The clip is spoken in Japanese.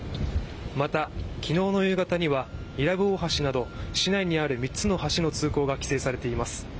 また、昨日の夕方には伊良部大橋など市内にある３つの橋の通行が規制されています。